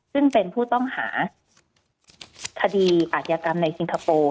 ซึ่งเป็นผู้ต้องหาคดีอาจยากรรมในสิงคโปร์